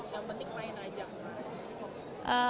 yang penting main aja